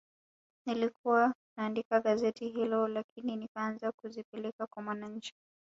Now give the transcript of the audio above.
Nilikuwa naandikia gazeti hilo lakini nikaanza kuzipeleka na Mwananchi